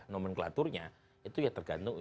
nomenklaturnya itu ya tergantung